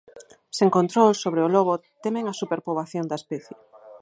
Sen control sobre o lobo temen a superpoboación da especie.